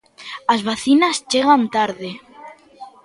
"As vacinas chegan tarde".